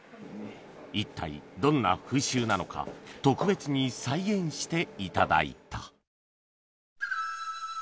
一体どんな風習なのか特別に再現していただいた